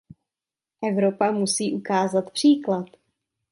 Evropa musí ukázat příklad.